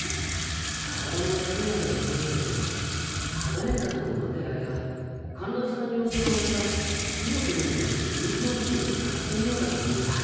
体も休めなきゃいけないんだけど鋼鐵塚さんを待っている間甘露寺さんに教えてもらった強くなるための秘密の武器を探してみようかと思うんだ。